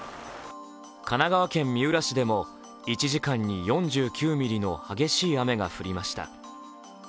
神奈川県三浦市でも１時間に４９ミリの激しい雨が降りました。